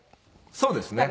そうですね。